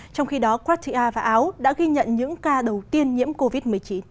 trong khi đó kratia và áo đã ghi nhận những ca đầu tiên nhiễm covid một mươi chín